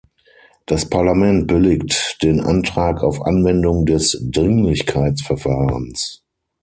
Das Parlament billigt den Antrag auf Anwendung des Dringlichkeitsverfahrens.